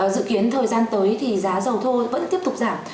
dự kiến thời gian tới thì giá dầu thô vẫn tiếp tục giảm